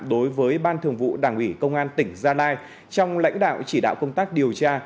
đối với ban thường vụ đảng ủy công an tỉnh gia lai trong lãnh đạo chỉ đạo công tác điều tra